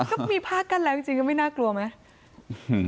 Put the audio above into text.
ก็มีผ้ากั้นแล้วจริงก็ไม่น่ากลัวไหม